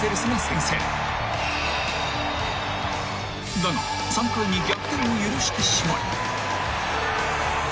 ［だが３回に逆転を許してしまい］